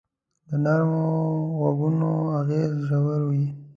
د نرمو ږغونو اغېز ژور وي.